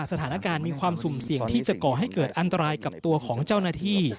สถานการณ์มีความสุ่มเสี่ยงที่จะก่อให้เกิดอันตรายกับตัวของเจ้าหน้าที่